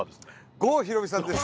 郷ひろみさんです。